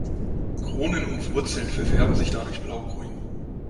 Kronen und Wurzeln verfärben sich dadurch blaugrün.